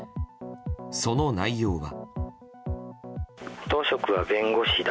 その内容は。